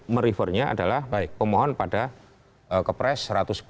merefernya adalah pemohon pada kepres satu ratus sebelas dua ribu empat